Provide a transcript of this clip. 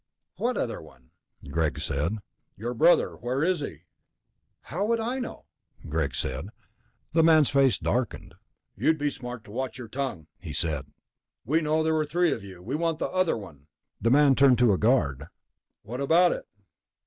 "What other one?" Greg said. "Your brother. Where is he?" "How would I know?" Greg said. The man's face darkened. "You'd be smart to watch your tongue," he said. "We know there were three of you, we want the other one." The man turned to a guard. "What about it?"